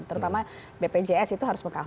terutama bpjs itu harus mengahur